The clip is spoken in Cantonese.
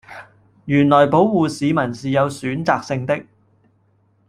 原來保謢市民是有選擇性的